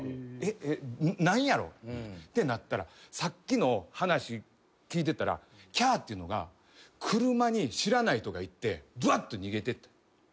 えっ何やろうってなったらさっきの話聞いてったらキャーっていうのが車に知らない人がいてばっと逃げてった。